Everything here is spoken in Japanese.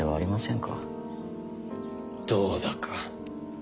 どうだか。